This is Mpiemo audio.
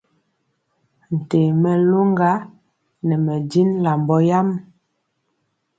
Ntee mɛ loŋga nɛ mɛ jin lambɔ yam.